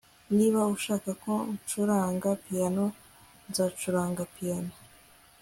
Niba ushaka ko ncuranga piyano nzacuranga piyano